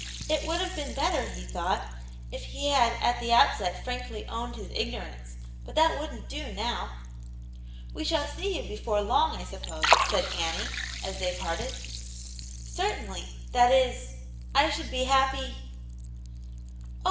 It would have been better, he thought, if he had at the outset frankly owned his Ignorance, but that wouldn't do now. '• We shall see you before long, I suppose," said Annie, as they parted. " Certainly ; that is — I should be happy "" Oh !